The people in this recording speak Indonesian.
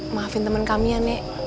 maafin teman kami ya nek